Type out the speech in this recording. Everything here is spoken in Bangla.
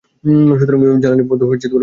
সুতরাং জ্বালানি বাবদ কোনো খরচ হবে না।